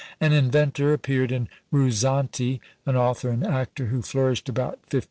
An inventor appeared in Ruzzante, an author and actor who flourished about 1530.